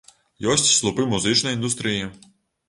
Ёсць слупы музычнай індустрыі.